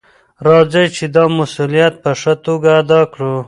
راځئ چې دا مسؤلیت په ښه توګه ادا کړو.